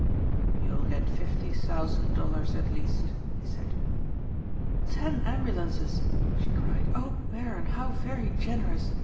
"You will get fifty thousand dollars at least," he said. "Ten ambulances!" she cried. "Oh, Baron, how very generous!